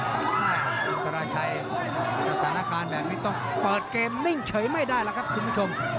อินทราชัยสถานการณ์แบบนี้ต้องเปิดเกมนิ่งเฉยไม่ได้แล้วครับคุณผู้ชม